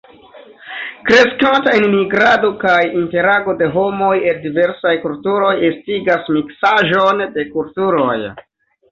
Kreskanta enmigrado kaj interago de homoj el diversaj kulturoj estigas miksaĵon de kulturoj.